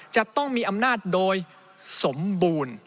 จะต้องมีอำนาจโดยสมบูรณ์